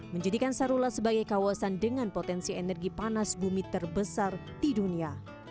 menjadikan sarula sebagai kawasan dengan potensi energi panas bumi terbesar di dunia